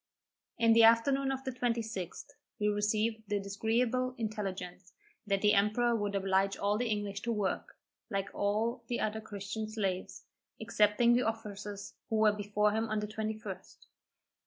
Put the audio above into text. In the afternoon of the 26th, we received the disagreeable intelligence, that the emperor would oblige all the English to work, like all the other Christian slaves, excepting the officers who were before him on the 21st.